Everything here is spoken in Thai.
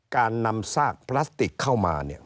การนำซากพลาสติกเข้ามาเนี่ย